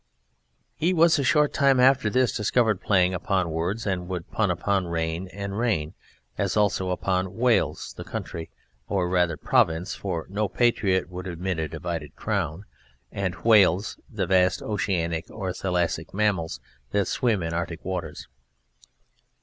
He was, a short time after this, discovered playing upon words and would pun upon "rain" and "reign", as also upon "Wales" the country (or rather province, for no patriot would admit a Divided Crown) and "Whales" the vast Oceanic or Thalassic mammals that swim in Arctic waters.